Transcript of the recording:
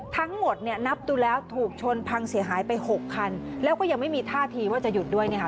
ทั้งหมดเนี่ยนับดูแล้วถูกชนพังเสียหายไปหกคันแล้วก็ยังไม่มีท่าทีว่าจะหยุดด้วยเนี่ยค่ะ